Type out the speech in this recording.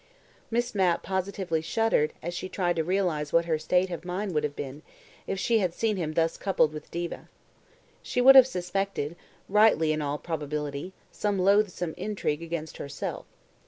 Miss Mapp positively shuddered as she tried to realize what her state of mind would have been, if she had seen him thus coupled with Diva. She would have suspected (rightly in all probability) some loathsome intrigue against herself.